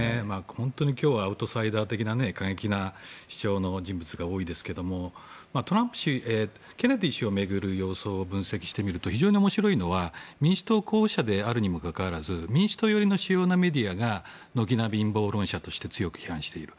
本当に今日はアウトサイダー的な過激な主張の人物が多いですけどもケネディ氏を巡る様相を分析してみると非常に面白いのは民主党候補者であるにもかかわらず民主党寄りの主要なメディアが軒並み、陰謀論者として報道している。